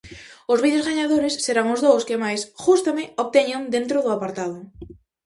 Os vídeos gañadores serán os dous que máis "gústame" obteñan dentro do apartado.